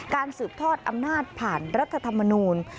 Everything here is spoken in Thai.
สืบทอดอำนาจผ่านรัฐธรรมนูล